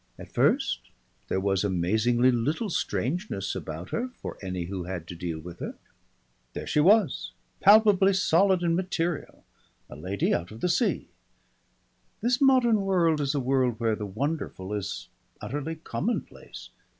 At first there was amazingly little strangeness about her for any who had to deal with her. There she was, palpably solid and material, a lady out of the sea. This modern world is a world where the wonderful is utterly commonplace.